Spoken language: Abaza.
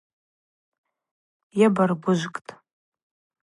Йабаргвыжвкӏтӏ.